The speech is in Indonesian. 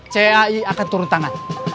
cai akan turun tangan